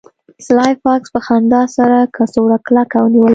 سلای فاکس په خندا سره کڅوړه کلکه ونیوله